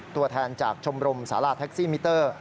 ตัวแทนจากชมรมสาราแท็กซี่มิเตอร์